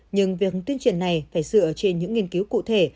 nhưng việc tuyên truyền này phải dựa trên những nghiên cứu cụ thể